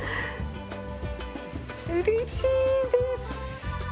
うれしいです。